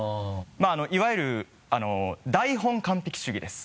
いわゆる台本完璧主義です。